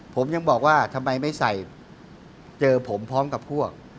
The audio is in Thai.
ผมยังบอกว่าทำไมไม่ใส่เจอผมพร้อมกับพวก